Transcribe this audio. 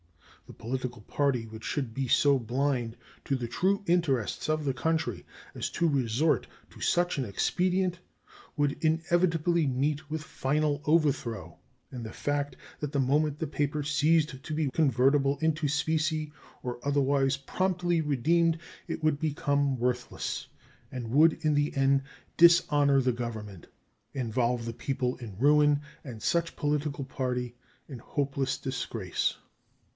The political party which should be so blind to the true interests of the country as to resort to such an expedient would inevitably meet with final overthrow in the fact that the moment the paper ceased to be convertible into specie or otherwise promptly redeemed it would become worthless, and would in the end dishonor the Government, involve the people in ruin and such political party in hopeless disgrace.